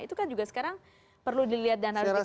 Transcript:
itu kan juga sekarang perlu dilihat dan harus diperha